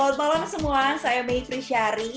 selamat malam semua saya maytri syari